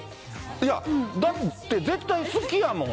いや、だって絶対好きやもん。